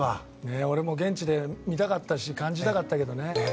俺も現地で見たかったし感じたかったけどね。